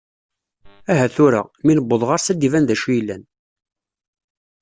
Aha tura, mi neweḍ ɣer-s ad iban d acu yellan.